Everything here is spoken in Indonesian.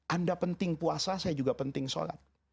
anda penting puasa saya juga penting sholat